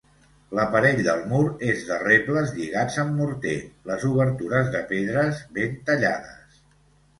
L'aparell del mur és de rebles lligats amb morter; les obertures de pedres ben tallades.